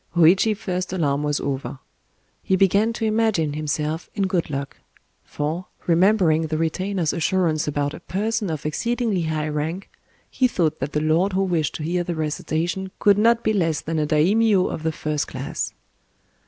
Hōïchi's first alarm was over: he began to imagine himself in good luck;—for, remembering the retainer's assurance about a "person of exceedingly high rank," he thought that the lord who wished to hear the recitation could not be less than a daimyō of the first class.